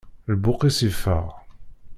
Lbuq-is iffeɣ.